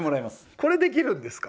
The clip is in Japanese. これできるんですか？